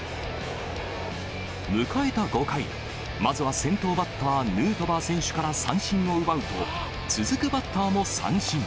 迎えた５回、まずは先頭バッター、ヌートバー選手から三振を奪うと、続くバッターも三振。